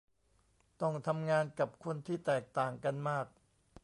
ต้องทำงานกับคนที่แตกต่างกันมาก